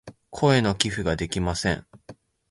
声の寄付ができません。